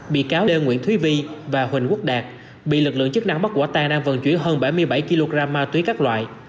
bị cáo đê nguyễn thúy vi và huỳnh quốc đạt bị lực lượng chức năng bắt quả tang đang vận chuyển hơn bảy mươi bảy kg ma túy các loại